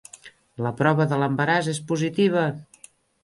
La prova de l'embaràs és positiva.